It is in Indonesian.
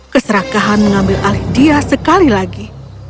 keserakahan mengambil alih dia sekali lagi